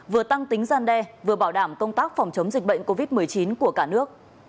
vừa tăng tính gian đe vừa bảo đảm công tác phòng chống dịch bệnh covid một mươi chín của cả nước